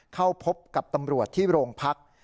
เข้าพบกับตำรวจที่โรงพัก